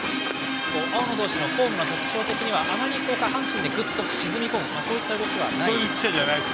ピッチャーの特徴的にはあまり下半身でぐっと沈み込むというそういった動きはないですね。